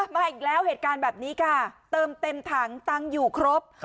มาอีกแล้วเหตุการณ์แบบนี้ค่ะเติมเต็มถังตังค์อยู่ครบ